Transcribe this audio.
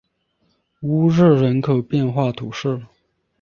乌日人口变化图示